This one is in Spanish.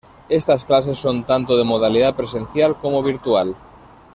Estas clases son tanto de modalidad presencial como virtual.